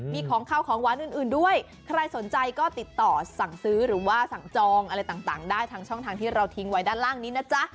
มีของข้าวของหวานอื่นด้วยใครสนใจก็ติดต่อสั่งซื้อหรือว่าสั่งจองอะไรต่างได้ทางช่องทางที่เราทิ้งไว้ด้านล่างนี้นะจ๊ะ